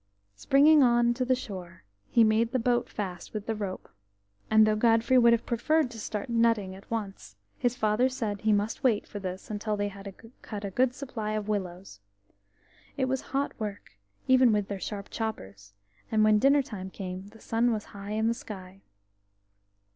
Springing on to the shore, he made the boat fast with the rope, and though Godfrey would have preferred to start nutting at once, his father said he must wait for this until they had cut a good supply of willows. It was hot work, even with their sharp choppers, and when dinner time came the sun was high in the sky.